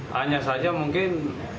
hanya saja mungkin